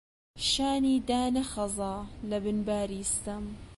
شانی دانەخزا لەبن باری ستەم،